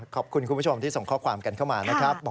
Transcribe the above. คุณผู้ชมที่ส่งข้อความกันเข้ามานะครับ